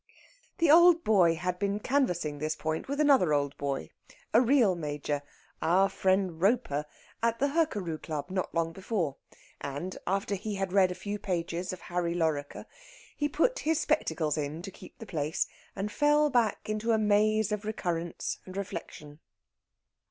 The old boy had been canvassing this point with another old boy, a real Major, our friend Roper, at the Hurkaru Club not long before, and, after he had read a few pages of "Harry Lorrequer" he put his spectacles in to keep the place, and fell back into a maze of recurrence and reflection.